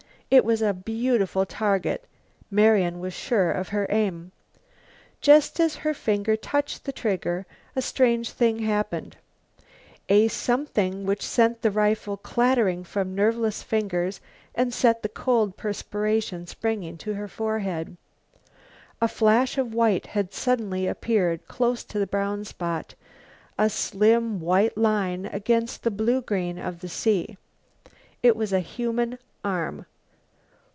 It was a beautiful target; Marian was sure of her aim. Just as her finger touched the trigger, a strange thing happened; a something which sent the rifle clattering from nerveless fingers and set the cold perspiration springing to her forehead. A flash of white had suddenly appeared close to the brown spot, a slim white line against the blue green of the sea. It was a human arm.